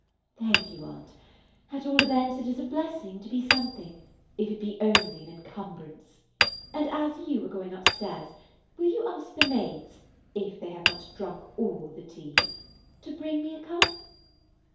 "Thank you, Aunt. At all events it is a blessing to be something, if it be only an encumbrance; and as you are going up stairs, will you ask the maids, if they have not drunk all the tea, to bring me a cup?"